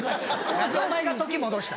何でお前が時戻した。